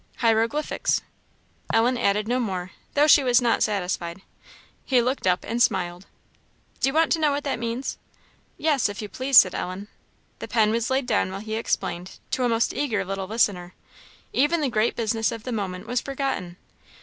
"Hieroglyphics." Ellen added no more, though she was not satisfied. He looked up, and smiled. "Do you want to know what that means?" "Yes, if you please," said Ellen. The pen was laid down while he explained, to a most eager little listener. Even the great business of the moment was forgotten.